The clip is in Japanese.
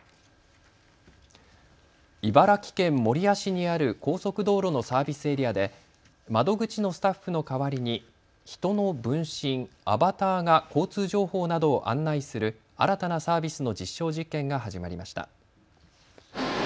茨城県守谷市にある高速道路のサービスエリアで窓口のスタッフの代わりに人の分身、アバターが交通情報などを案内する新たなサービスの実証実験が始まりました。